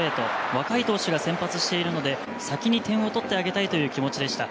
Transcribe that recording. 若い投手が先発してるので先に点を取ってあげたいという気持ちでした。